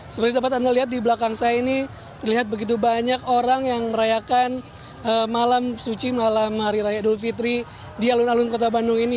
seperti dapat anda lihat di belakang saya ini terlihat begitu banyak orang yang merayakan malam suci malam hari raya idul fitri di alun alun kota bandung ini